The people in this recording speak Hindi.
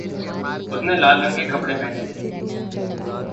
उसने लाल रंग के कपड़े पहने थे।